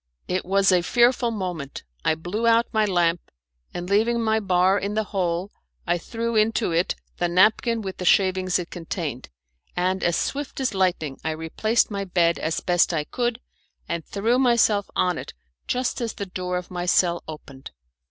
It was a fearful moment! I blew out my lamp, and leaving my bar in the hole I threw into it the napkin with the shavings it contained, and as swift as lightning I replaced my bed as best I could, and threw myself on it just as the door of my cell opened.